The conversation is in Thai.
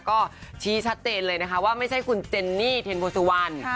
ก็ชี้ชัดเต็นเลยนะคะว่าไม่ใช่คุณเจนนี่เทนโบซิวัน